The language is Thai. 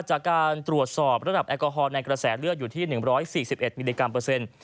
จากการตรวจสอบระดับแอลกอฮอลในกระแสเลือดอยู่ที่๑๔๑มิลลิกรัมเปอร์เซ็นต์